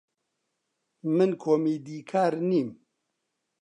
من کۆمیدیکار نیم.